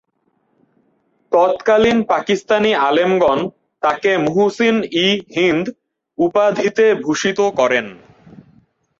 তৎকালীন পাকিস্তানি আলেমগণ তাকে "মুহসিন-ই-হিন্দ" উপাধিতে ভূষিত করেন।